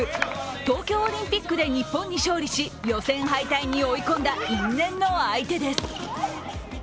東京オリンピックで日本に勝利し予選敗退に追い込んだ因縁の相手です。